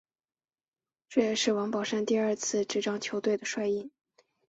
这也是王宝山第二次执掌球队的帅印。